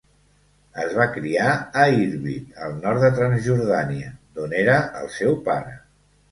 Es va criar a Irbid al nord de Transjordània d'on era el seu pare.